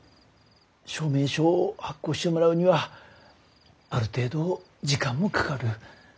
証明書を発行してもらうにはある程度時間もかかる。